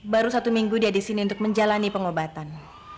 baru satu minggu dia di sini untuk menjalani pengobatan